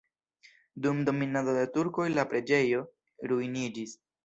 Dum dominado de turkoj la preĝejo ruiniĝis.